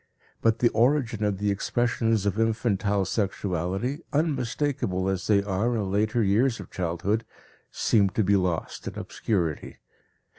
But the origin of the expressions of infantile sexuality, unmistakable as they are in later years of childhood, seem to be lost in obscurity.